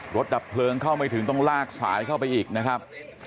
ดับเพลิงเข้าไม่ถึงต้องลากสายเข้าไปอีกนะครับ